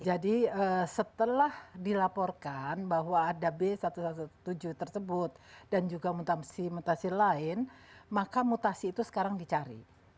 jadi setelah dilaporkan bahwa ada b satu ratus tujuh belas tersebut dan juga mutasi mutasi lain maka mutasi itu sekarang dicari